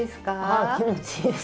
あ気持ちいいです。